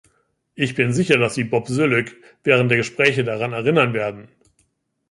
Ich bin sicher, dass Sie Bob Zoelick während der Gespräche daran erinnern werden.